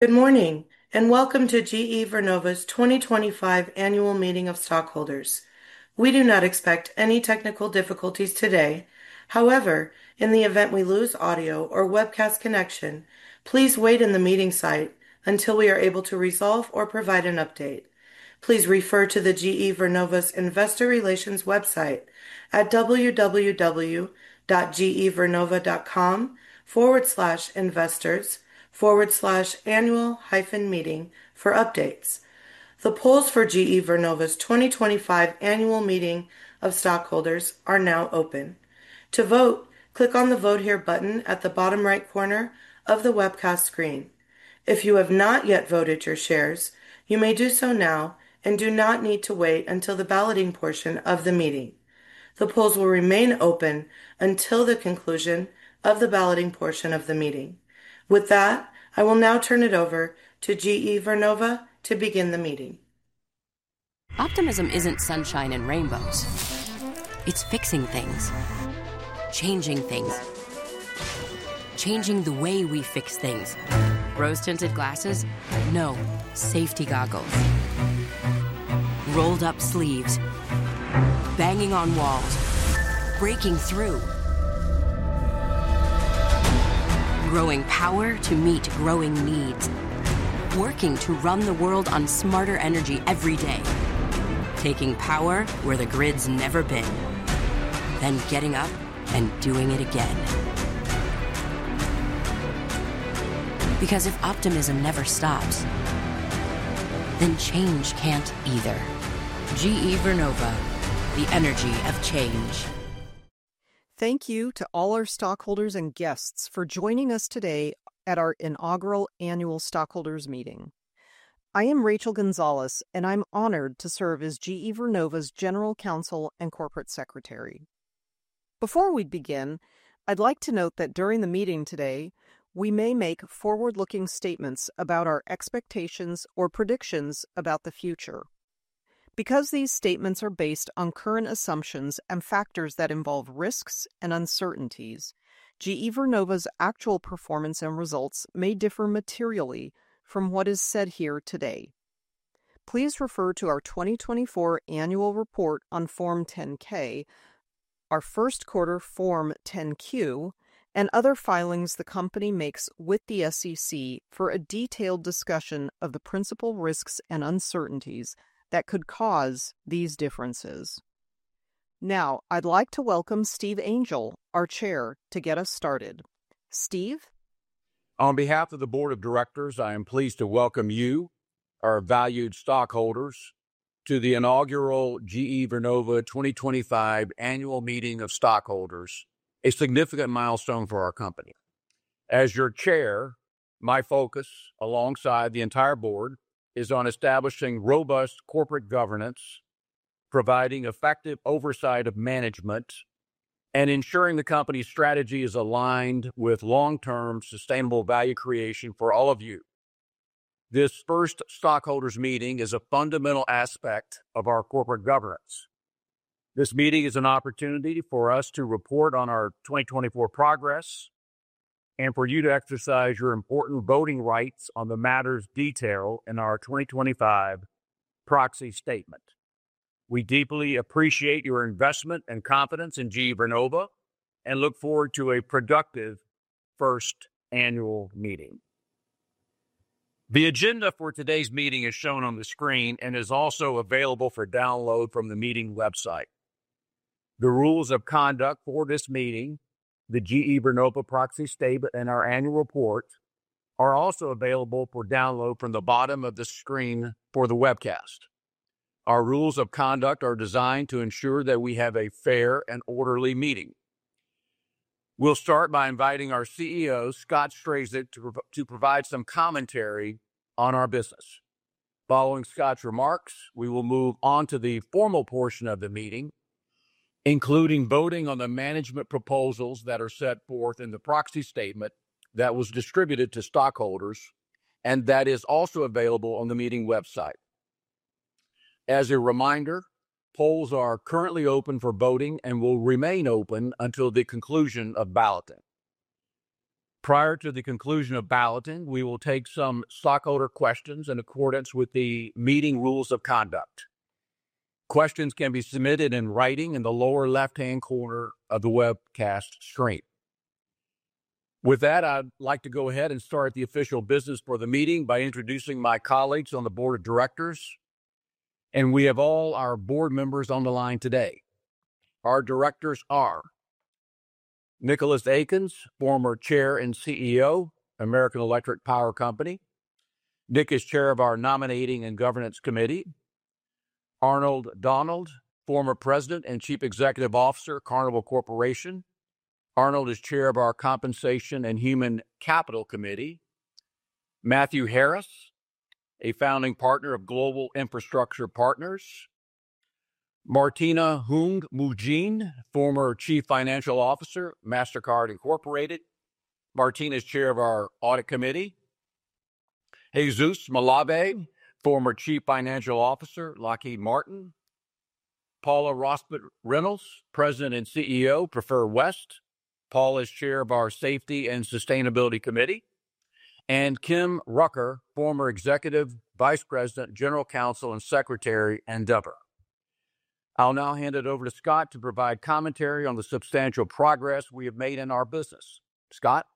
Good morning, and welcome to GE Vernova's 2025 Annual Meeting of Stockholders. We do not expect any technical difficulties today. However, in the event we lose audio or webcast connection, please wait in the meeting site until we are able to resolve or provide an update. Please refer to the GE Vernova Investor Relations website at www.gevernova.com/investors/annual-meeting for updates. The polls for GE Vernova's 2025 Annual Meeting of Stockholders are now open. To vote, click on the "Vote Here" button at the bottom right corner of the webcast screen. If you have not yet voted your shares, you may do so now and do not need to wait until the balloting portion of the meeting. The polls will remain open until the conclusion of the balloting portion of the meeting. With that, I will now turn it over to GE Vernova to begin the meeting. Optimism isn't sunshine and rainbows. It's fixing things. Changing things. Changing the way we fix things. Rose-tinted glasses? No. Safety goggles. Rolled-up sleeves. Banging on walls. Breaking through. Growing power to meet growing needs. Working to run the world on smarter energy every day. Taking power where the grid's never been. Then getting up and doing it again. Because if optimism never stops, then change can't either. GE Vernova, the energy of change. Thank you to all our stockholders and guests for joining us today at our inaugural Annual Stockholders' Meeting. I am Rachel Gonzalez, and I'm honored to serve as GE Vernova's General Counsel and Corporate Secretary. Before we begin, I'd like to note that during the meeting today, we may make forward-looking statements about our expectations or predictions about the future. Because these statements are based on current assumptions and factors that involve risks and uncertainties, GE Vernova's actual performance and results may differ materially from what is said here today. Please refer to our 2024 Annual Report on Form 10-K, our first quarter Form 10-Q, and other filings the company makes with the SEC for a detailed discussion of the principal risks and uncertainties that could cause these differences. Now, I'd like to welcome Steve Angel, our Chair, to get us started. Steve? On behalf of the Board of Directors, I am pleased to welcome you, our valued stockholders, to the inaugural GE Vernova 2025 Annual Meeting of Stockholders, a significant milestone for our company. As your Chair, my focus, alongside the entire Board, is on establishing robust corporate governance, providing effective oversight of management, and ensuring the company's strategy is aligned with long-term sustainable value creation for all of you. This first stockholders' meeting is a fundamental aspect of our corporate governance. This meeting is an opportunity for us to report on our 2024 progress and for you to exercise your important voting rights on the matters detailed in our 2025 Proxy Statement. We deeply appreciate your investment and confidence in GE Vernova and look forward to a productive first annual meeting. The agenda for today's meeting is shown on the screen and is also available for download from the meeting website. The rules of conduct for this meeting, the GE Vernova Proxy Statement, and our annual report are also available for download from the bottom of the screen for the webcast. Our rules of conduct are designed to ensure that we have a fair and orderly meeting. We'll start by inviting our CEO, Scott Strazik, to provide some commentary on our business. Following Scott's remarks, we will move on to the formal portion of the meeting, including voting on the management proposals that are set forth in the Proxy Statement that was distributed to stockholders and that is also available on the meeting website. As a reminder, polls are currently open for voting and will remain open until the conclusion of balloting. Prior to the conclusion of balloting, we will take some stockholder questions in accordance with the meeting rules of conduct. Questions can be submitted in writing in the lower left-hand corner of the webcast screen. With that, I'd like to go ahead and start the official business for the meeting by introducing my colleagues on the Board of Directors. We have all our board members on the line today. Our directors are: Nicholas Akins, former Chair and CEO, American Electric Power Company. Nick is Chair of our Nominating and Governance Committee. Arnold Donald, former President and Chief Executive Officer, Carnival Corporation. Arnold is Chair of our Compensation and Human Capital Committee. Matthew Harris, a founding partner of Global Infrastructure Partners. Martina Flöel, former Chief Financial Officer, Mastercard Incorporated. Martina is Chair of our Audit Committee. Jesus Malave, former Chief Financial Officer, Lockheed Martin. Paula Rosput Reynolds, President and CEO, PreferWest. Paula is Chair of our Safety and Sustainability Committee. Kim Rucker, former Executive Vice President, General Counsel, and Secretary, Endeavor. I'll now hand it over to Scott to provide commentary on the substantial progress we have made in our business. Scott.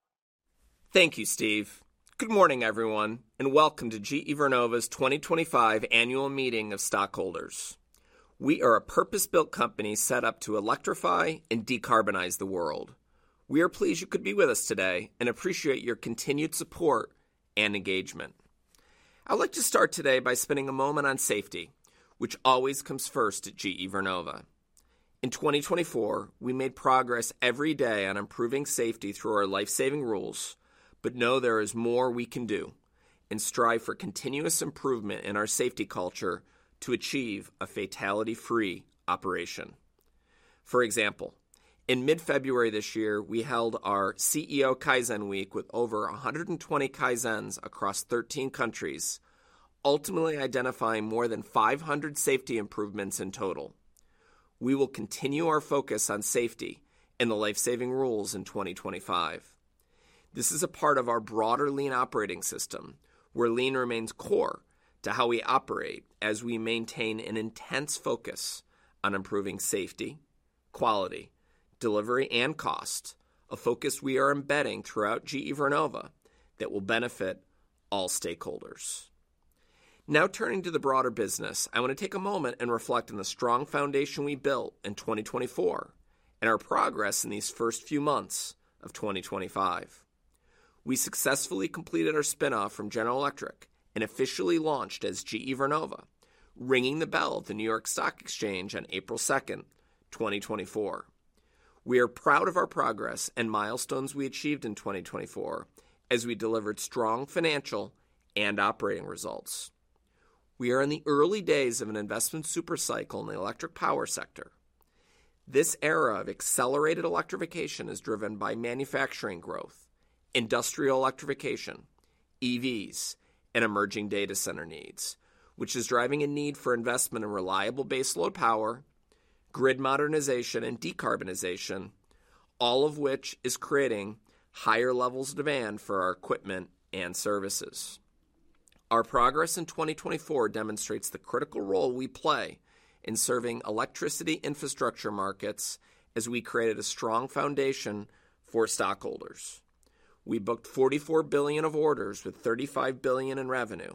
Thank you, Steve. Good morning, everyone, and welcome to GE Vernova's 2025 Annual Meeting of Stockholders. We are a purpose-built company set up to electrify and decarbonize the world. We are pleased you could be with us today and appreciate your continued support and engagement. I'd like to start today by spending a moment on safety, which always comes first at GE Vernova. In 2024, we made progress every day on improving safety through our lifesaving rules, but know there is more we can do and strive for continuous improvement in our safety culture to achieve a fatality-free operation. For example, in mid-February this year, we held our CEO Kaizen Week with over 120 kaizens across 13 countries, ultimately identifying more than 500 safety improvements in total. We will continue our focus on safety and the lifesaving rules in 2025. This is a part of our broader lean operating system, where Lean remains core to how we operate as we maintain an intense focus on improving safety, quality, delivery, and cost, a focus we are embedding throughout GE Vernova that will benefit all stakeholders. Now, turning to the broader business, I want to take a moment and reflect on the strong foundation we built in 2024 and our progress in these first few months of 2025. We successfully completed our spinoff from General Electric and officially launched as GE Vernova, ringing the bell at the New York Stock Exchange on April 2, 2024. We are proud of our progress and milestones we achieved in 2024 as we delivered strong financial and operating results. We are in the early days of an investment supercycle in the electric power sector. This era of accelerated electrification is driven by manufacturing growth, industrial electrification, EVs, and emerging data center needs, which is driving a need for investment in reliable baseload power, grid modernization, and decarbonization, all of which is creating higher levels of demand for our equipment and services. Our progress in 2024 demonstrates the critical role we play in serving electricity infrastructure markets as we created a strong foundation for stockholders. We booked $44 billion of orders with $35 billion in revenue,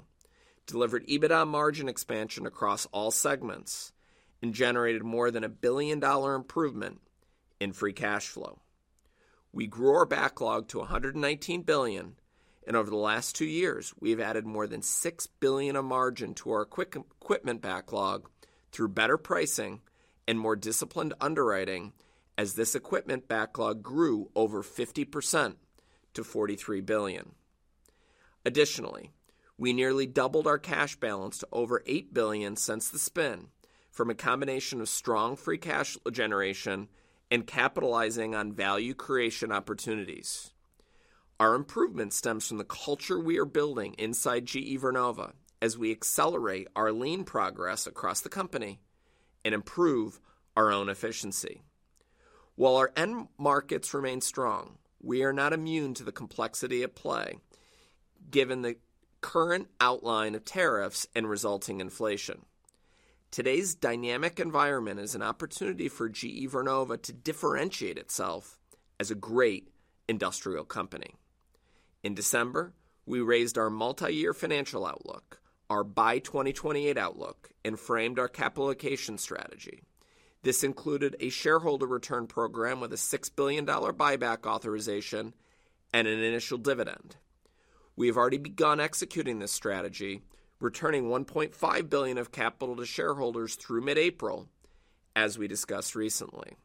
delivered EBITDA margin expansion across all segments, and generated more than a billion-dollar improvement in free cash flow. We grew our backlog to $119 billion, and over the last two years, we've added more than $6 billion of margin to our equipment backlog through better pricing and more disciplined underwriting as this equipment backlog grew over 50% to $43 billion. Additionally, we nearly doubled our cash balance to over $8 billion since the spin from a combination of strong free cash generation and capitalizing on value creation opportunities. Our improvement stems from the culture we are building inside GE Vernova as we accelerate our Lean progress across the company and improve our own efficiency. While our end markets remain strong, we are not immune to the complexity at play given the current outline of tariffs and resulting inflation. Today's dynamic environment is an opportunity for GE Vernova to differentiate itself as a great industrial company. In December, we raised our multi-year financial outlook, our Buy 2028 outlook, and framed our capitalization strategy. This included a shareholder return program with a $6 billion buyback authorization and an initial dividend. We have already begun executing this strategy, returning $1.5 billion of capital to shareholders through mid-April, as we discussed recently.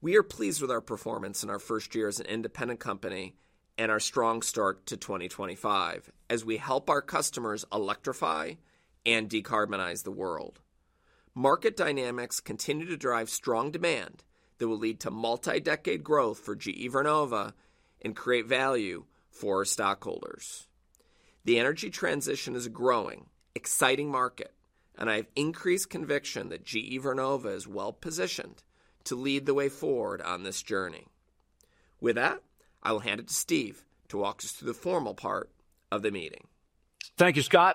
We are pleased with our performance in our first year as an independent company and our strong start to 2025 as we help our customers electrify and decarbonize the world. Market dynamics continue to drive strong demand that will lead to multi-decade growth for GE Vernova and create value for stockholders. The energy transition is a growing, exciting market, and I have increased conviction that GE Vernova is well-positioned to lead the way forward on this journey. With that, I will hand it to Steve to walk us through the formal part of the meeting. Thank you, Scott.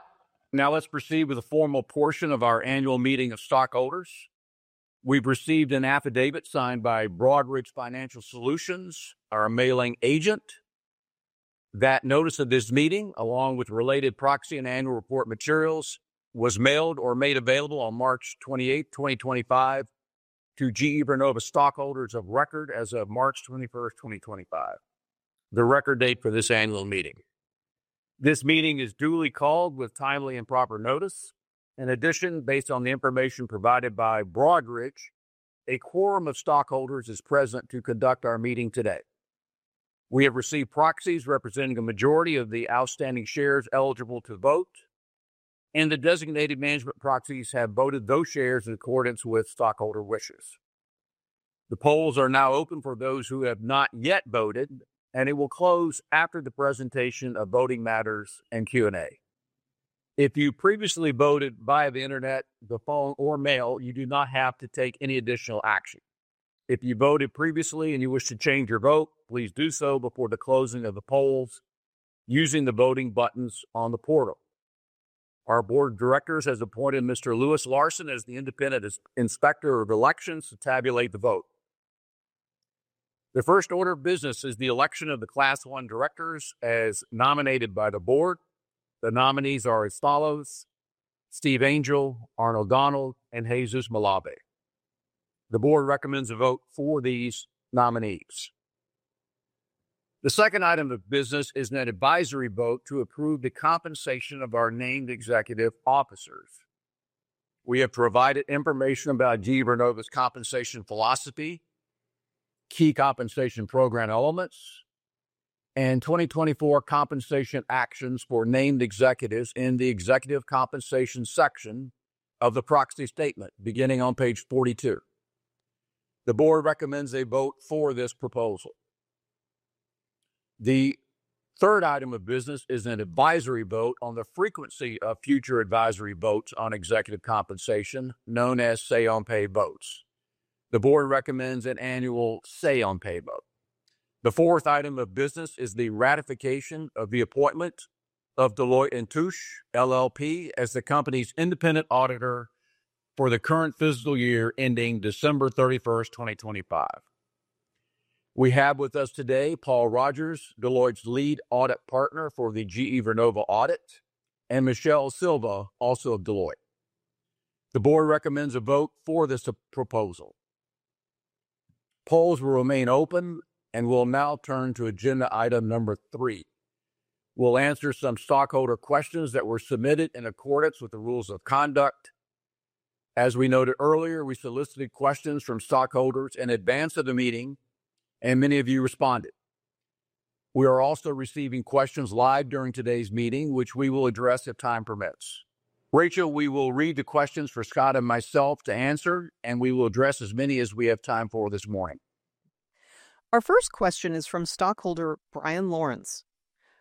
Now, let's proceed with a formal portion of our annual meeting of stockholders. We've received an affidavit signed by Broadridge Financial Solutions, our mailing agent. That notice of this meeting, along with related proxy and annual report materials, was mailed or made available on March 28, 2025, to GE Vernova stockholders of record as of March 21, 2025, the record date for this annual meeting. This meeting is duly called with timely and proper notice. In addition, based on the information provided by Broadridge, a quorum of stockholders is present to conduct our meeting today. We have received proxies representing a majority of the outstanding shares eligible to vote, and the designated management proxies have voted those shares in accordance with stockholder wishes. The polls are now open for those who have not yet voted, and it will close after the presentation of voting matters and Q&A. If you previously voted via the internet, the phone, or mail, you do not have to take any additional action. If you voted previously and you wish to change your vote, please do so before the closing of the polls using the voting buttons on the portal. Our Board of Directors has appointed Mr. Louis Larson as the independent inspector of elections to tabulate the vote. The first order of business is the election of the Class 1 directors as nominated by the board. The nominees are as follows: Steve Angel, Arnold Donald, and Jesus Malave. The board recommends a vote for these nominees. The second item of business is an advisory vote to approve the compensation of our named executive officers. We have provided information about GE Vernova's compensation philosophy, key compensation program elements, and 2024 compensation actions for named executives in the executive compensation section of the Proxy Statement, beginning on page 42. The board recommends a vote for this proposal. The third item of business is an advisory vote on the frequency of future advisory votes on executive compensation, known as say-on-pay votes. The board recommends an annual say-on-pay vote. The fourth item of business is the ratification of the appointment of Deloitte & Touche, LLP, as the company's independent auditor for the current fiscal year ending December 31, 2025. We have with us today Paul Rogers, Deloitte's lead audit partner for the GE Vernova audit, and Michelle Silva, also of Deloitte. The board recommends a vote for this proposal. Polls will remain open, and we'll now turn to agenda item number three. We'll answer some stockholder questions that were submitted in accordance with the rules of conduct. As we noted earlier, we solicited questions from stockholders in advance of the meeting, and many of you responded. We are also receiving questions live during today's meeting, which we will address if time permits. Rachel, we will read the questions for Scott and myself to answer, and we will address as many as we have time for this morning. Our first question is from stockholder Brian Lawrence.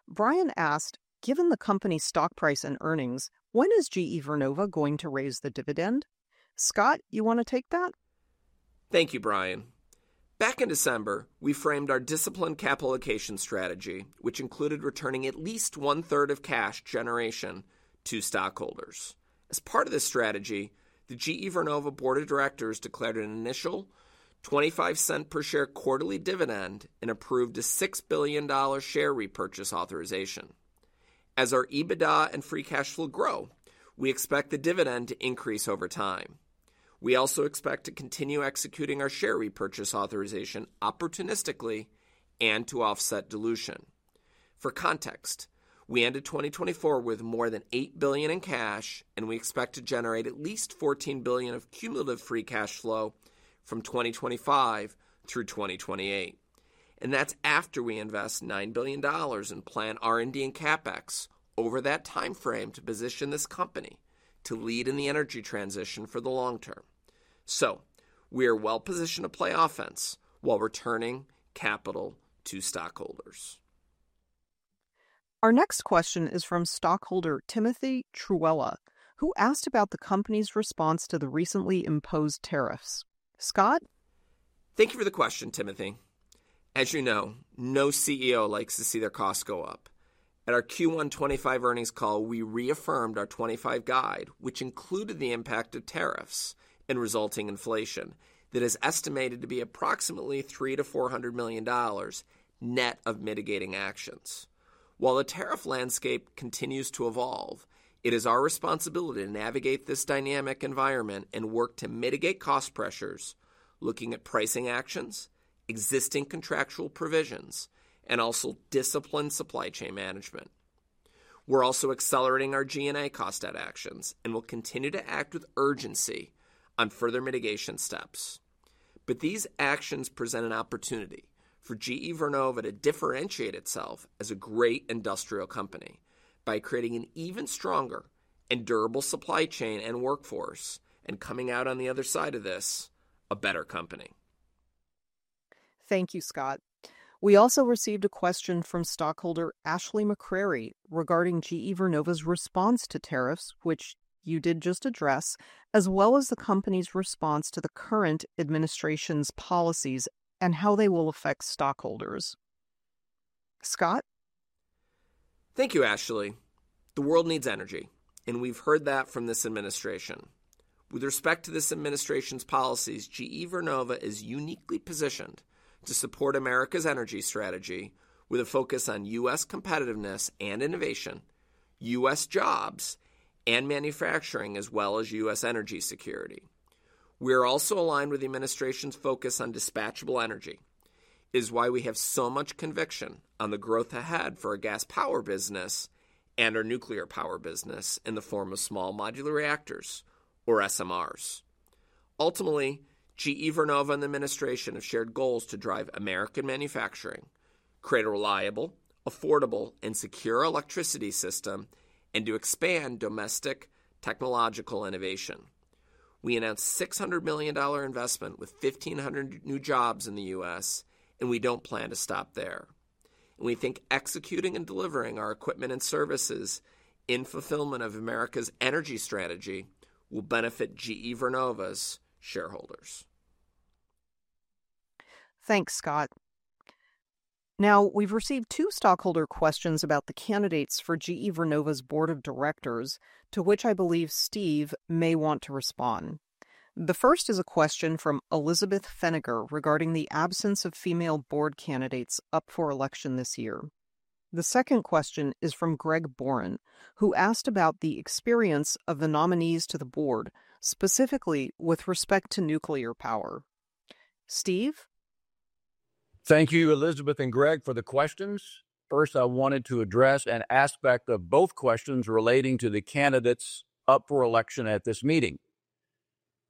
Brian asked, "Given the company's stock price and earnings, when is GE Vernova going to raise the dividend?" Scott, you want to take that? Thank you, Brian. Back in December, we framed our disciplined capital allocation strategy, which included returning at least one-third of cash generation to stockholders. As part of this strategy, the GE Vernova Board of Directors declared an initial $0.25 per share quarterly dividend and approved a $6 billion share repurchase authorization. As our EBITDA and free cash flow grow, we expect the dividend to increase over time. We also expect to continue executing our share repurchase authorization opportunistically and to offset dilution. For context, we ended 2024 with more than $8 billion in cash, and we expect to generate at least $14 billion of cumulative free cash flow from 2025 through 2028. That is after we invest $9 billion in planned R&D and CapEx over that timeframe to position this company to lead in the energy transition for the long term. We are well-positioned to play offense while returning capital to stockholders. Our next question is from stockholder Timothy Truella, who asked about the company's response to the recently imposed tariffs. Scott? Thank you for the question, Timothy. As you know, no CEO likes to see their costs go up. At our Q1 2025 earnings call, we reaffirmed our 2025 guide, which included the impact of tariffs and resulting inflation that is estimated to be approximately $300 million-$400 million net of mitigating actions. While the tariff landscape continues to evolve, it is our responsibility to navigate this dynamic environment and work to mitigate cost pressures, looking at pricing actions, existing contractual provisions, and also disciplined supply chain management. We're also accelerating our G&A cost ad actions and will continue to act with urgency on further mitigation steps. These actions present an opportunity for GE Vernova to differentiate itself as a great industrial company by creating an even stronger and durable supply chain and workforce and coming out on the other side of this, a better company. Thank you, Scott. We also received a question from stockholder Ashley McCrary regarding GE Vernova's response to tariffs, which you did just address, as well as the company's response to the current administration's policies and how they will affect stockholders. Scott? Thank you, Ashley. The world needs energy, and we've heard that from this administration. With respect to this administration's policies, GE Vernova is uniquely positioned to support America's energy strategy with a focus on U.S. competitiveness and innovation, U.S. jobs and manufacturing, as well as U.S. energy security. We are also aligned with the administration's focus on dispatchable energy, which is why we have so much conviction on the growth ahead for our gas power business and our nuclear power business in the form of small modular reactors, or SMRs. Ultimately, GE Vernova and the administration have shared goals to drive American manufacturing, create a reliable, affordable, and secure electricity system, and to expand domestic technological innovation. We announced a $600 million investment with 1,500 new jobs in the U.S., and we don't plan to stop there. We think executing and delivering our equipment and services in fulfillment of America's energy strategy will benefit GE Vernova's shareholders. Thanks, Scott. Now, we've received two stockholder questions about the candidates for GE Vernova's Board of Directors, to which I believe Steve may want to respond. The first is a question from Elizabeth Feniger regarding the absence of female board candidates up for election this year. The second question is from Greg Boren, who asked about the experience of the nominees to the board, specifically with respect to nuclear power. Steve? Thank you, Elizabeth and Greg, for the questions. First, I wanted to address an aspect of both questions relating to the candidates up for election at this meeting.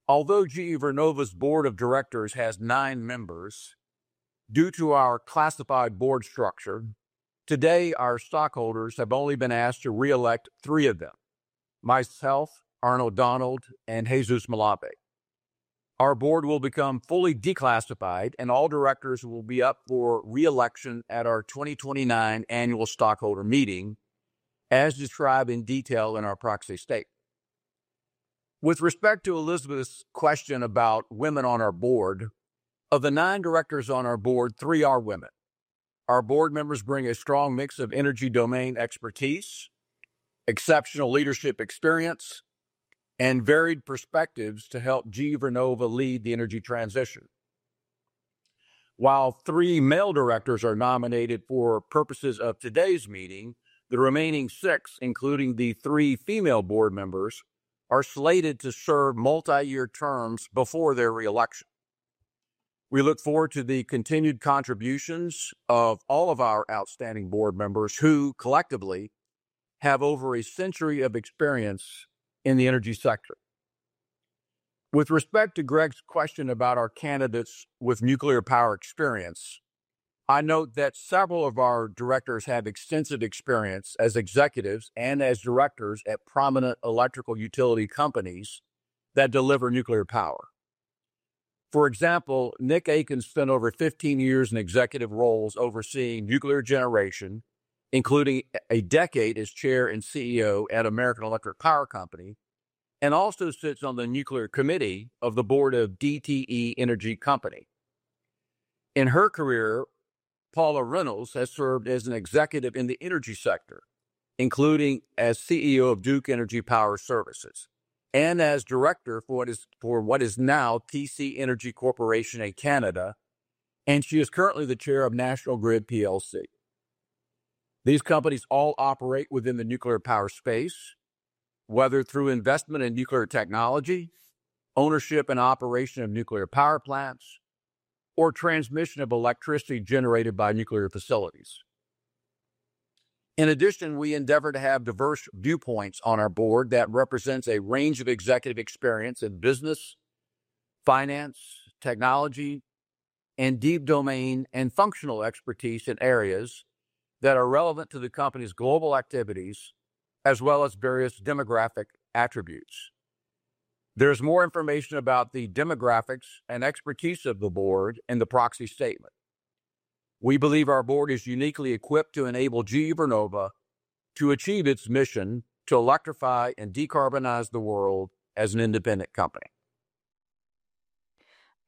Although GE Vernova's Board of Directors has nine members, due to our classified board structure, today our stockholders have only been asked to re-elect three of them: myself, Arnold Donald, and Jesus Malave. Our board will become fully declassified, and all directors will be up for re-election at our 2029 annual stockholder meeting, as described in detail in our Proxy Statement. With respect to Elizabeth's question about women on our board, of the nine directors on our board, three are women. Our board members bring a strong mix of energy domain expertise, exceptional leadership experience, and varied perspectives to help GE Vernova lead the energy transition. While three male directors are nominated for purposes of today's meeting, the remaining six, including the three female board members, are slated to serve multi-year terms before their re-election. We look forward to the continued contributions of all of our outstanding board members who collectively have over a century of experience in the energy sector. With respect to Greg's question about our candidates with nuclear power experience, I note that several of our directors have extensive experience as executives and as directors at prominent electrical utility companies that deliver nuclear power. For example, Nicholas Akins spent over 15 years in executive roles overseeing nuclear generation, including a decade as Chair and CEO at American Electric Power Company, and also sits on the nuclear committee of the board of DTE Energy Company. In her career, Paula Reynolds has served as an executive in the energy sector, including as CEO of Duke Energy Power Services and as director for what is now TC Energy Corporation in Canada, and she is currently the chair of National Grid plc. These companies all operate within the nuclear power space, whether through investment in nuclear technology, ownership and operation of nuclear power plants, or transmission of electricity generated by nuclear facilities. In addition, we endeavor to have diverse viewpoints on our board that represent a range of executive experience in business, finance, technology, and deep domain and functional expertise in areas that are relevant to the company's global activities, as well as various demographic attributes. There is more information about the demographics and expertise of the board in the Proxy Statement. We believe our board is uniquely equipped to enable GE Vernova to achieve its mission to electrify and decarbonize the world as an independent company.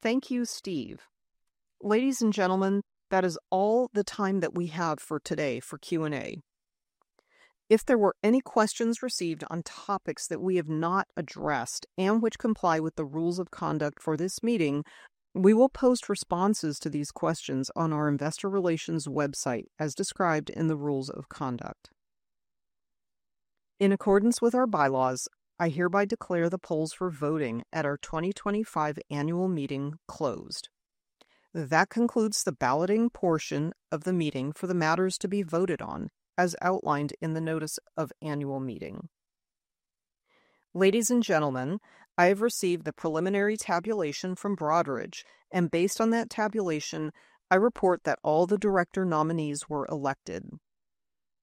Thank you, Steve. Ladies and gentlemen, that is all the time that we have for today for Q&A. If there were any questions received on topics that we have not addressed and which comply with the rules of conduct for this meeting, we will post responses to these questions on our investor relations website as described in the rules of conduct. In accordance with our bylaws, I hereby declare the polls for voting at our 2025 annual meeting closed. That concludes the balloting portion of the meeting for the matters to be voted on, as outlined in the notice of annual meeting. Ladies and gentlemen, I have received the preliminary tabulation from Broadridge, and based on that tabulation, I report that all the director nominees were elected.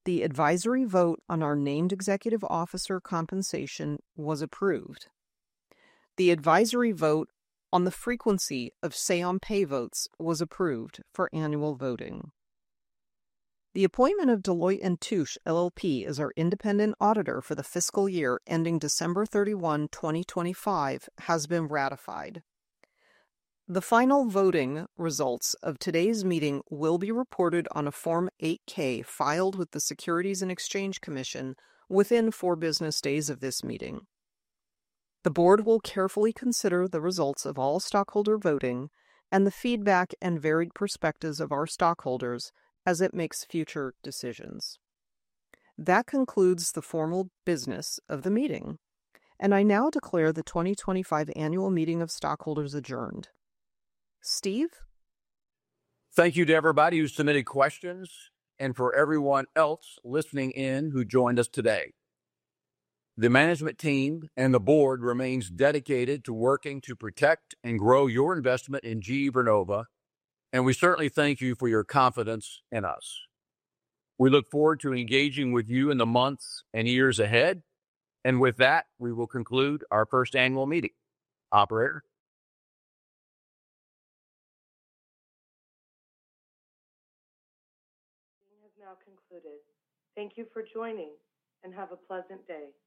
The advisory vote on our named executive officer compensation was approved. The advisory vote on the frequency of say-on-pay votes was approved for annual voting. The appointment of Deloitte & Touche, LLP, as our independent auditor for the fiscal year ending December 31, 2025, has been ratified. The final voting results of today's meeting will be reported on a Form 8-K filed with the Securities and Exchange Commission within four business days of this meeting. The board will carefully consider the results of all stockholder voting and the feedback and varied perspectives of our stockholders as it makes future decisions. That concludes the formal business of the meeting, and I now declare the 2025 annual meeting of stockholders adjourned. Steve? Thank you to everybody who submitted questions and for everyone else listening in who joined us today. The management team and the board remain dedicated to working to protect and grow your investment in GE Vernova, and we certainly thank you for your confidence in us. We look forward to engaging with you in the months and years ahead, and with that, we will conclude our first annual meeting. Operator. Meeting has now concluded. Thank you for joining and have a pleasant day.